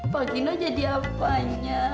pak gino jadi apanya